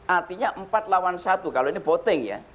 artinya empat lawan satu kalau ini voting ya